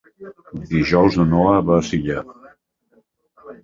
Dijous na Noa va a Silla.